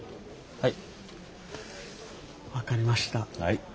はい。